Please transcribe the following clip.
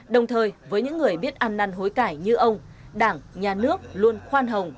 đồng thời với những người biết ăn năn hối cải như ông đảng nhà nước luôn khoan hồng